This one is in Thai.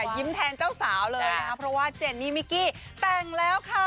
ยิ้มแทนเจ้าสาวเลยนะคะเพราะว่าเจนนี่มิกกี้แต่งแล้วค่ะ